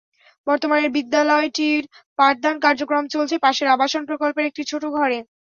বর্তমানে বিদ্যালয়টির পাঠদান কার্যক্রম চলছে পাশের আবাসন প্রকল্পের একটি ছোট ঘরে।